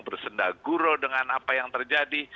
bersendaguro dengan apa yang terjadi